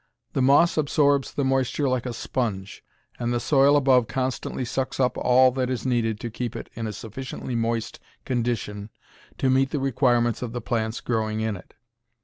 The moss absorbs the moisture like a sponge, and the soil above constantly sucks up all that is needed to keep it in a sufficiently moist condition to meet the requirements of the plants growing in it.